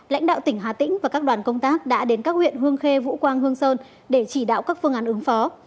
lãnh đạo tỉnh hà tĩnh và các đoàn công tác đã đến các huyện hương khê vũ quang hương sơn để chỉ đạo các phương án ứng phó